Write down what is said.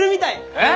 えっ！？